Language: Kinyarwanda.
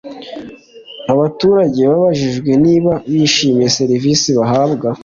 abaturage babajijwe niba bishimiye serivisi bahabwa